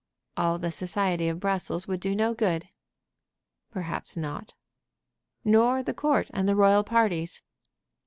"All the society of Brussels would do no good." "Perhaps not." "Nor the court and the royal parties."